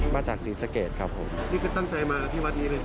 มาจากศรีสะเกดครับผมนี่คือตั้งใจมาที่วัดนี้เลย